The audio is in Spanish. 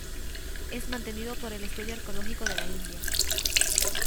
Es mantenido por el Estudio Arqueológico de la India.